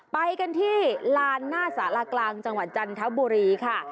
ไปกันที่ลานหน้าสารากลางจังหวัดจันทบุรีค่ะ